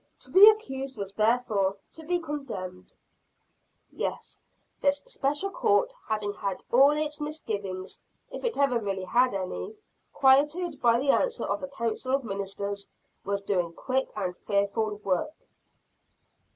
To be accused was therefore to be condemned. Yes, this Special Court, having had all its misgivings, if it ever really had any, quieted by the answer of the council of ministers, was doing quick and fearful work.